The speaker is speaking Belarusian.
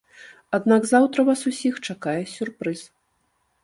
Аднак заўтра вас усіх чакае сюрпрыз.